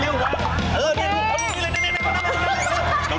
ดูอีกเลย